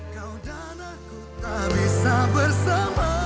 kau dan anakku tak bisa bersama